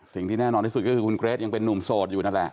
สิ่งที่แน่นอนที่สุดก็คือคุณเกรทยังเป็นนุ่มโสดอยู่นั่นแหละ